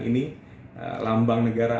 ini lambang negara